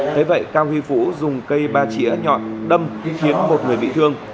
thế vậy cao huy vũ dùng cây ba chỉa nhọn đâm khiến một người bị thương